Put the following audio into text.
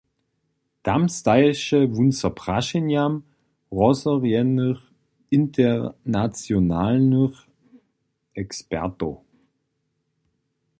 Tam staješe wón so prašenjam rozhorjenych internacionalnych ekspertow.